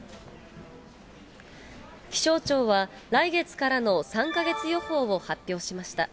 気象庁は、来月からの３か月予報を発表しました。